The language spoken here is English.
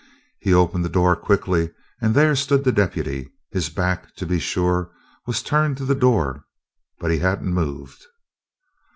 He opened the door quickly, and there stood the deputy. His back, to be sure, was turned to the door, but he hadn't moved.